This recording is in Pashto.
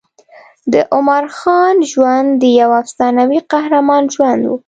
د عمراخان ژوند د یوه افسانوي قهرمان ژوند و.